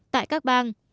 tại các bang